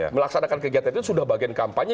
melaksanakan kegiatan itu sudah bagian kampanye